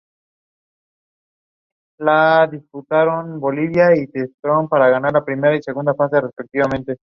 La operación dada es compleja y detallista.